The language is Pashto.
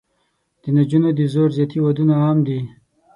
د نجونو د زور زیاتي ودونه عام دي.